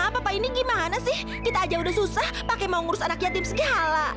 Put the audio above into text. apa pak ini gimana sih kita aja udah susah pakai mau ngurus anak yatim segala